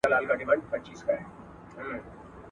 تاسي باید د غره په لاره کې منډې ونه وهئ.